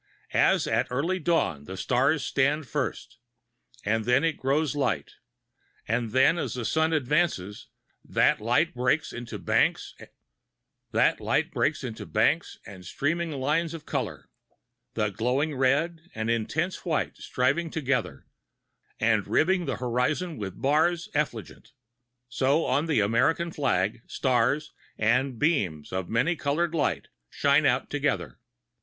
As at early dawn the stars stand first, and then it grows light, and then as the sun advances, that light breaks into banks and streaming lines of color, the glowing red and intense white striving together and ribbing the horizon with bars effulgent, so on the American flag, stars and beams of many colored light shine out together.